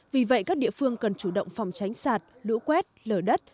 vì vậy các địa phương cần chủ động phòng tránh sạt lũ quét lở đất